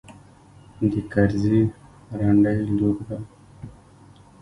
د کرزي رنډۍ لور ده.